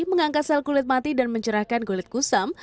mengangkat sel kulit mati dan mencerahkan kulit kusam